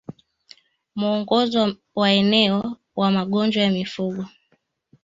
Mwongozo wa eneo wa magonjwa ya mifugo